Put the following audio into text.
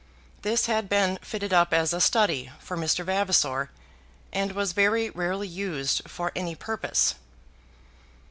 This had been fitted up as a "study" for Mr. Vavasor, and was very rarely used for any purpose.